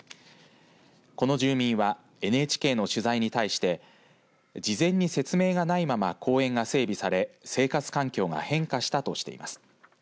この住民はＮＨＫの取材に対して事前に説明がないまま公園が整備され生活環境が変化したとしています。